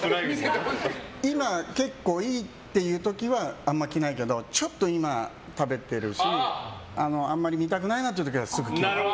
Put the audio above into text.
今、結構いいっていう時はあんまり着ないけどちょっと今、食べてるしあんまり見たくないなという時はすぐに着る。